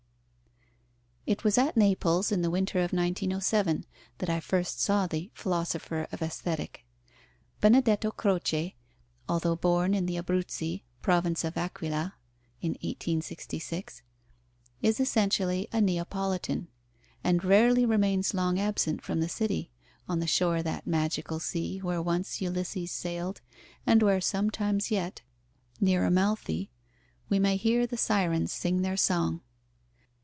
It was at Naples, in the winter of 1907, that I first saw the Philosopher of Aesthetic. Benedetto Croce, although born in the Abruzzi, Province of Aquila (1866), is essentially a Neapolitan, and rarely remains long absent from the city, on the shore of that magical sea, where once Ulysses sailed, and where sometimes yet (near Amalfi) we may hear the Syrens sing their song.